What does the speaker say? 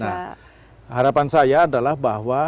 nah harapan saya adalah bahwa